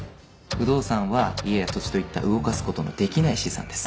不動産は家や土地といった動かす事のできない資産です。